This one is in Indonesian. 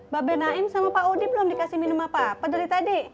babe naim sama pak udi belum dikasih minum apa apa dari tadi